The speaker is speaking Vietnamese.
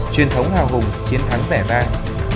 truyền thống hào hùng chiến thắng vẻ vang